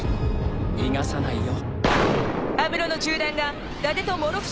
逃がさないよ。